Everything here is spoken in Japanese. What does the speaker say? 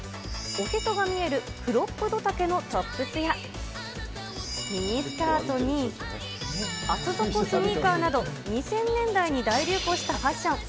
おへそが見えるクロップド丈のトップスや、ミニスカートに、厚底スニーカーなど、２０００年代に大流行したファッション。